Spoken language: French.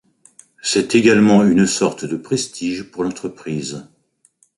C'est également une sorte de prestige pour l'entreprise.